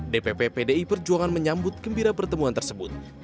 dpp pdi perjuangan menyambut gembira pertemuan tersebut